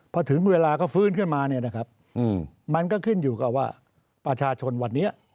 พอถึงเวลาก็ฟื้นขึ้นมามันก็ขึ้นอยู่กับว่าประชาชนวันนี้